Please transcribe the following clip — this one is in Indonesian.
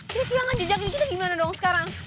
kita kehilangan jejak nih kita gimana dong sekarang